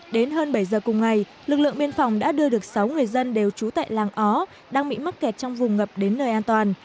đến hơn bảy giờ cùng ngày lực lượng biên phòng đã đưa được sáu người dân đều trú tại làng ó đang bị mắc kẹt trong vùng ngập đến nơi an toàn